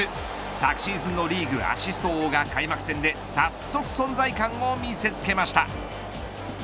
昨シーズンのリーグアシスト王が開幕戦で早速、存在感を見せ付けました。